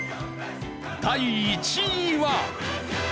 第１位は。